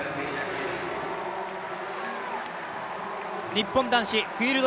日本男子フィールド